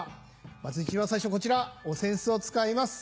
まず一番最初こちらお扇子を使います。